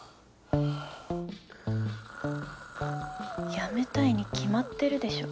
辞めたいに決まってるでしょ